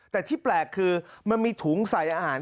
แต่ที่แปลกคือมันมีถุงใส่อาหาร